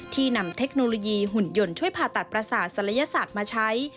นำเทคโนโลยีหุ่นยนต์ช่วยผ่าตัดประสาทศัลยศาสตร์มาใช้